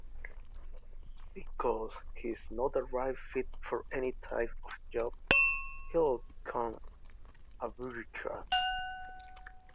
Because he is not the right fit for any type of job, he’ll become a bureaucrat.